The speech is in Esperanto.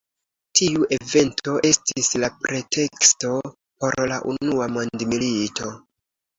Tiu evento estis la preteksto por la Unua mondmilito.